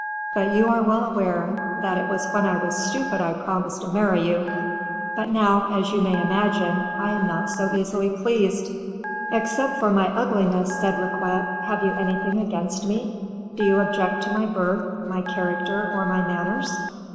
But you are well aware that it was when I was stupid I promised to marry you, but now, as you may imagine, I am not so easily pleased." "Except for my ugliness," said Riquet, "have you anything against me? Do you object to my birth, my character, or my manners?"